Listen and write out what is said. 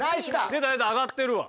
出た出た上がってるわ。